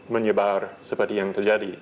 menyebar seperti yang terjadi